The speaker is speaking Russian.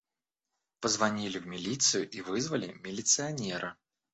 Позвонили в милицию и вызвали милиционера.